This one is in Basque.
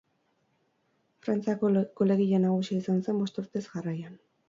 Frantziako golegile nagusia izan zen bost urtez jarraian.